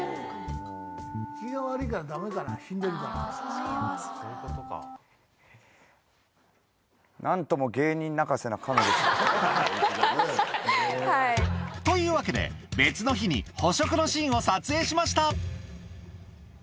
機嫌が悪いからだめかな、なんとも芸人泣かせなカメでというわけで、別の日に、捕食のシーンを撮影しました。